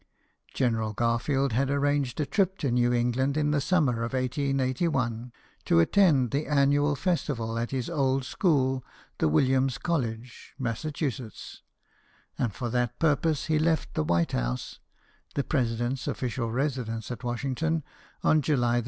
General Garfield had arranged a trip to New England in the summer of 1881, to attend the annual festival at his old school, the Williams College, Massachu setts ; and for that purpose he left the White House (the President's official residence at Washington) on July 2.